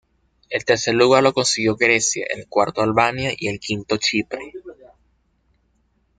El tercer lugar lo consiguió Grecia, el cuarto Albania y el quinto Chipre.